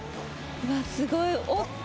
うわすごいおっきい。